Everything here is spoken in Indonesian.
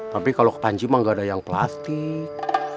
tapi kalau panji mah gak ada yang plastik